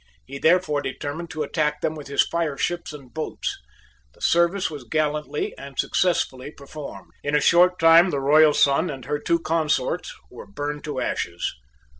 He therefore determined to attack them with his fireships and boats. The service was gallantly and successfully performed. In a short time the Royal Sun and her two consorts were burned to ashes.